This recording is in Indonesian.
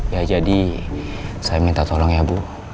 ya jadi saya minta tolong ya bu